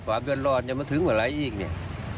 ความยุ่นรอดจะมาถึงเวลาไหร่อีกเนี่ย